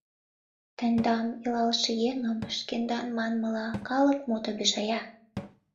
— Тендам, илалше еҥым, шкендан манмыла, калык мут обижая.